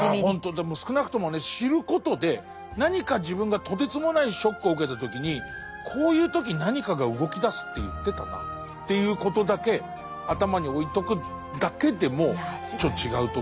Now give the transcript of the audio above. でも少なくともね知ることで何か自分がとてつもないショックを受けた時にこういう時何かが動きだすって言ってたなっていうことだけ頭に置いとくだけでもちょっと違うと思いますからね。